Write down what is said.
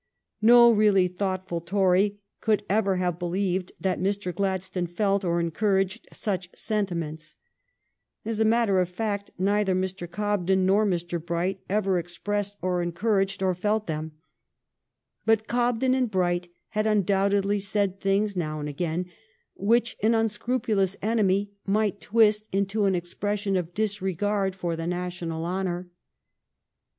No really thoughtful Tory could ever have believed that Mr. Gladstone felt or encouraged such senti ments. As a matter of fact, neither Mr. Cobden nor Mr. Bright ever expressed or encouraged or 300 THE STORY OF GLADSTONE'S LIFE felt them. But Cobden and Bright had undoubt edly said things now and again which an unscru pulous enemy might twist into an expression of disregard for the national honor.